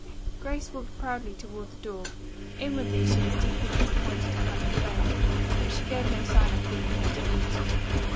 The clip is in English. Grace walked proudly toward the door. Inwardly she was deeply disappointed at having failed, but she gave no sign of feeling her defeat.